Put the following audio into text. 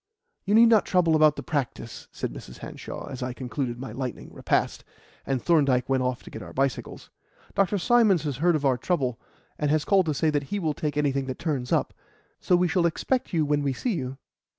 "You need not trouble about the practice," said Mrs. Hanshaw, as I concluded my lightning repast, and Thorndyke went off to get our bicycles. "Dr. Symons has heard of our trouble, and has called to say that he will take anything that turns up; so we shall expect you when we see you."